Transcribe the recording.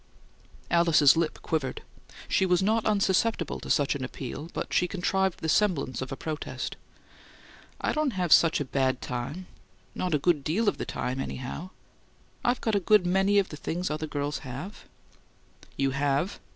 Alice's lip quivered; she was not unsusceptible to such an appeal, but she contrived the semblance of a protest. "I don't have such a bad time not a good DEAL of the time, anyhow. I've got a good MANY of the things other girls have " "You have?"